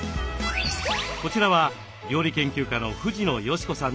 こちらは料理研究家の藤野嘉子さんのお宅です。